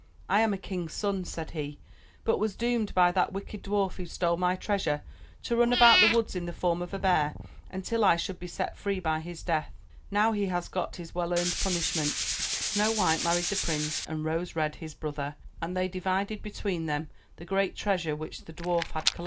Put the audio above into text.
*'I am a king's son/' said he, but was doomed by that wicked dwarf who stole my treasure to run about the woods in the form of a bear until I should be set free by his death. Now he has got his well earned punish ment." Snow white married the prince and Rose red his brother; and they ^^^^^^S^^SHH divided between treasure which the ed in his cave.